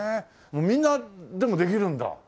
みんなでもできるんだ。